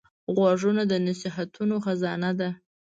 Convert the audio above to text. غوږونه د نصیحتونو خزانه ده